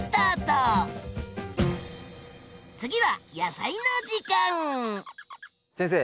次は先生。